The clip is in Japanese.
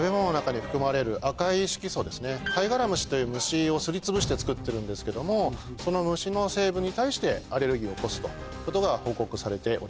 カイガラムシという虫をすりつぶして作ってるんですけどもその虫の成分に対してアレルギーを起こすということが報告されております。